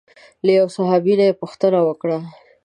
له یوه صحابي نه یې پوښتنه وکړه.